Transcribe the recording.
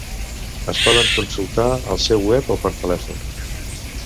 Es poden consultar al seu web o per telèfon.